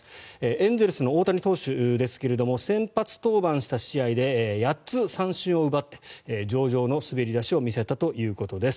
エンゼルスの大谷投手ですが先発登板した試合で８つ、三振を奪って上々の滑り出しを見せたということです。